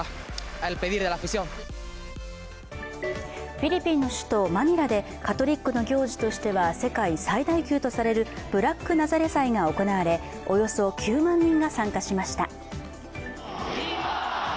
フィリピンの首都マニラでカトリックの行事としては世界最大級とされるブラックナザレ祭が行われおよそ９万人が参加しました。